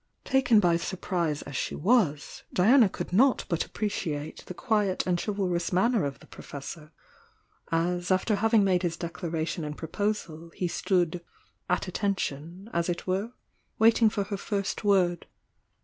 Taken by surprise as she was, Diana could not but appreciate the quiet and chivalrous manner of the Professor, as after having made his declaration and proposal, he stood "at attention" as it were, waiting for her first word.